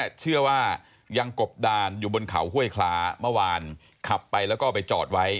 เชื่อว่ายังกบดานอยู่บนเขาห้วยคล้าเมื่อวานขับไปแล้วก็ไปจอดไว้